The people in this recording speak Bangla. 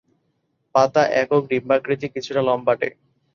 পাতা একক, ডিম্বাকৃতি, কিছুটা লম্বাটে।